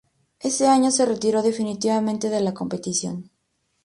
Ese año se retiró definitivamente de la competición.